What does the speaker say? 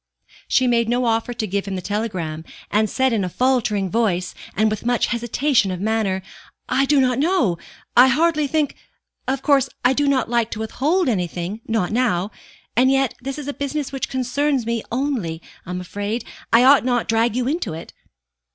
She made no offer to give him the telegram, and said in a faltering voice, and with much hesitation of manner, "I do not know. I hardly think of course I do not like to withhold anything, not now. And yet, this is a business which concerns me only, I am afraid. I ought not to drag you into it."